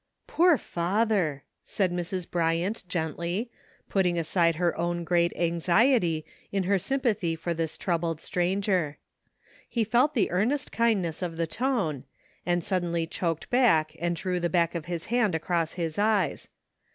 "Poor father!" said Mrs. Bryant gently, put ting aside her own great anxiety in her sympa H7 148 T)A]iK DAYS. thy for this troubled stranger. lie felt the earnest kindness of the tone, and suddenly choked and drew the back of bis hand across his eyes.